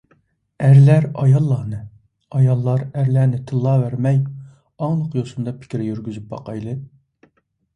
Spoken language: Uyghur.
ئەرلەر ئاياللارنى، ئاياللار ئەرلەرنى تىللاۋەرمەي، ئاڭلىق يوسۇندا پىكىر يۈرگۈزۈپ باقايلى.